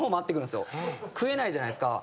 食えないじゃないですか。